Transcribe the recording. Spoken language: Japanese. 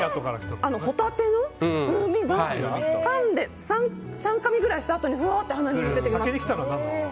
ホタテの風味が３かみぐらいしたあとにふわっと鼻に抜けていきます。